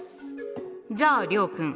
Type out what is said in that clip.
じゃあ諒君。